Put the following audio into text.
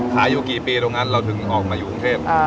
อยู่กี่ปีตรงนั้นเราถึงออกมาอยู่กรุงเทพ